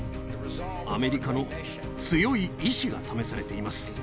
アメリカの強い意志が試されています。